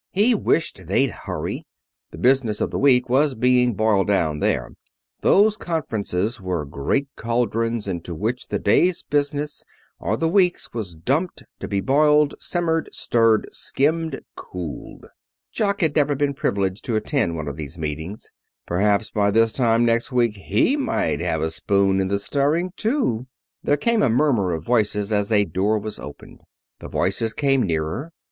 He wished they'd hurry. The business of the week was being boiled down there. Those conferences were great cauldrons into which the day's business, or the week's, was dumped, to be boiled, simmered, stirred, skimmed, cooled. Jock had never been privileged to attend one of these meetings. Perhaps by this time next week he might have a spoon in the stirring too There came the murmur of voices as a door was opened. The voices came nearer.